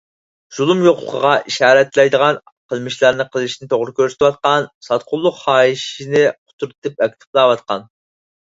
زۇلۇم يوقلىقىغا ئىشارەتلەيدىغان قىلمىشلارنى قىلىشنى توغرا كۆرسىتىۋاتقان، ساتقۇنلۇق خاھىشىنى قۇترىتىپ ئاكتىپلاۋاتقان.